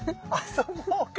遊ぼうか。